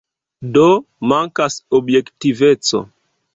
Do, mankas objektiveco.